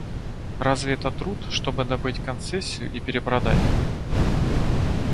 Разве это труд, чтобы добыть концессию и перепродать?